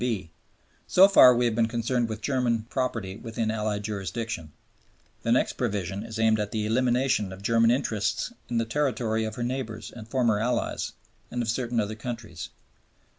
(b) So far we have been concerned with German property within Allied jurisdiction. The next provision is aimed at the elimination of German interests in the territory of her neighbors and former allies, and of certain other countries.